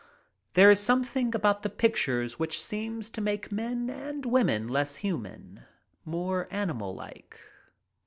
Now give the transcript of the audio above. There is something about the pictures which seems to make men and women less human, more animal like.